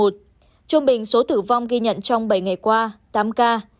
trung bình số tử vong ghi nhận trong bảy ngày qua tám ca